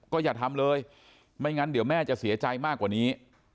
ก็อย่าทำเลยไม่งั้นเดี๋ยวแม่จะเสียใจมากกว่านี้